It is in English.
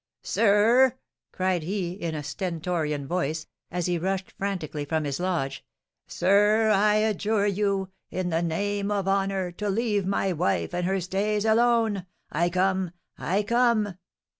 "Sir r r!" cried he in a stentorian voice, as he rushed frantically from his lodge. "Sir r r! I adjure you, in the name of Honour, to leave my wife and her stays alone! I come! I come!"